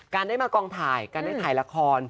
ได้มากองถ่ายการได้ถ่ายละคร